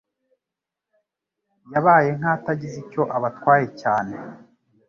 yabaye nk'atagize icyo abatwaye cyane.